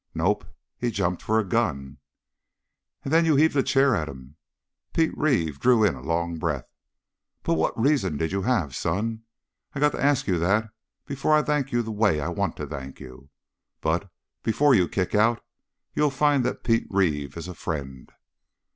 "Nope. He jumped for a gun." "And then you heaved a chair at him." Pete Reeve drew in a long breath. "But what reason did you have, son? I got to ask you that before I thank you the way I want to thank you. But, before you kick out, you'll find that Pete Reeve is a friend."